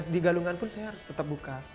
di galungan pun saya harus tetap buka